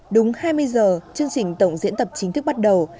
đúng hai mươi h chương trình tổng diễn tập chính thức bắt đầu